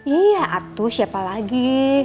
iya atu siapa lagi